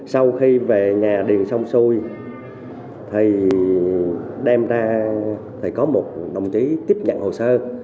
sau khi về nhà điền sông xui thì đem ra thì có một đồng chí tiếp nhận hồ sơ